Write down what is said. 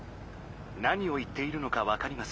「何を言っているのかわかりません。